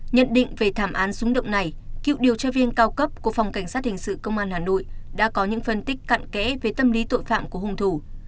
nhận định về thảm án súng động này cựu điều tra viên cao cấp của phòng cảnh sát hình sự công an hà nội đã có những phân tích cận kẽ về tâm lý tội phạm của hùng thủ